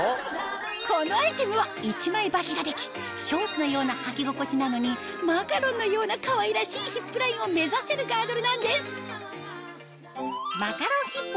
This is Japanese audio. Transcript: このアイテムは１枚ばきができショーツのようなはき心地なのにマカロンのようなかわいらしいヒップラインを目指せるガードルなんです